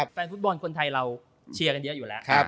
แฟนฟุตบอลคนไทยเราเชียร์กันเยอะอยู่แล้ว